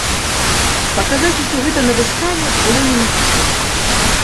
Паказаць усё гэта на выставе было немагчыма.